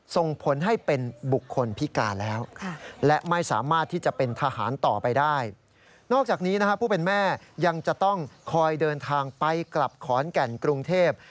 ส่งผลให้เป็นบุคคลพิกาแล้ว